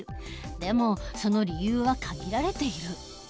でもその理由は限られている。